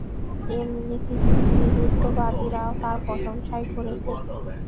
এমন কি তাঁর বিরুদ্ধবাদীরাও তাঁর প্রশংসাই করেছে।